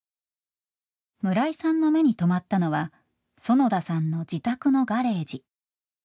村井さんの目に留まったのは園田さんの自宅のガレージ。